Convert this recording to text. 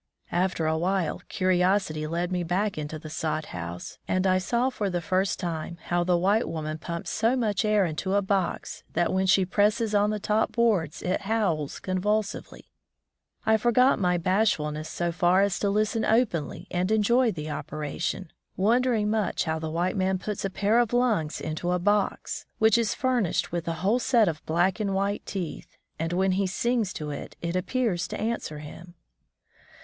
After a while curiosity led me back to the sod house, and I saw for the first time how the white woman pumps so much air into a box that when she presses on the top boards it howls convulsively. I forgot my bashfulness so far as to listen openly and enjoy the operation, wondering much how the white man puts a pair of lungs into a box, 37 From the Deep Woods to Civilization which is furnished with a whole set of black and white teeth, and when he sings to it» it appears to answer him.